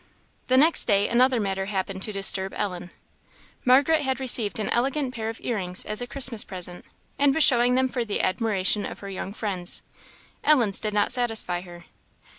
The next day another matter happened to disturb Ellen. Margaret had received an elegant pair of ear rings as a Christmas present, and was showing them for the admiration of her young friends. Ellen's did not satisfy her.